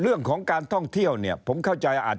เรื่องของการท่องเที่ยวเนี่ยผมเข้าใจอาจ